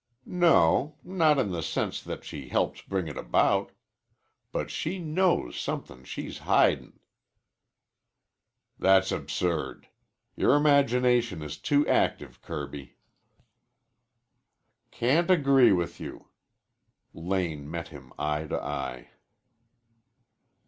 "No; not in the sense that she helped bring it about. But she knows somethin' she's hidin'." "That's absurd. Your imagination is too active, Kirby." "Can't agree with you." Lane met him eye to eye.